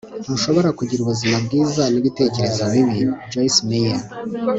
ntushobora kugira ubuzima bwiza n'ibitekerezo bibi. - joyce meyer